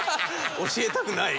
教えたくない！